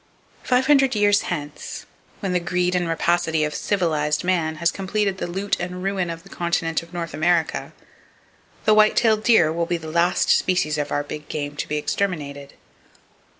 —Five hundred years hence, when the greed and rapacity of "civilized" man has completed the loot and ruin of the continent of North America, the white tailed deer will be the last species of our big game to be exterminated.